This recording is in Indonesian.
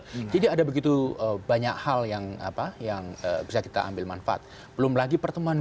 ada begitu banyak hal yang apa yang bisa kita ambil manfaat belum lagi pertemuan